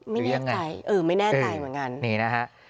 ไม่แน่ใจไม่แน่ใจเหมือนกันนี่นะครับ